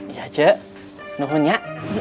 iya ce nuhun ya